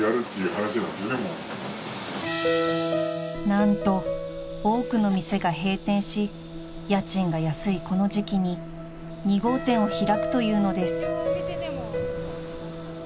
［何と多くの店が閉店し家賃が安いこの時期に２号店を開くというのです］